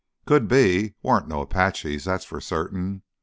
"Could be. Warn't no Apaches, that's for certain.